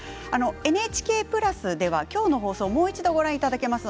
ＮＨＫプラスでは今日の放送をもう一度、ご覧いただけます。